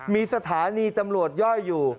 มีสถานีตำรวจย่อยอยู่